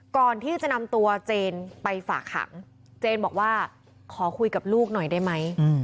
ก่อนที่จะนำตัวเจนไปฝากขังเจนบอกว่าขอคุยกับลูกหน่อยได้ไหม